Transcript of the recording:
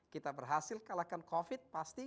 kita berhasil kalahkan covid pasti